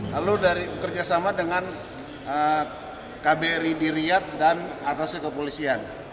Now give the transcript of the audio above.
lalu dari bekerja sama dengan kbri diriyat dan atasnya kepolisian